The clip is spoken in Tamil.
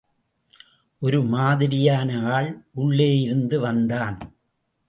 ஒரு மாதிரியான ஆள் உள்ளேயிருந்து வந்தான்.